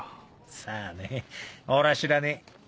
さぁねおらぁ知らねえ。